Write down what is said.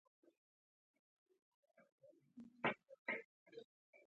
په هغه کې خو بیا دوی ته سخت تاوان دی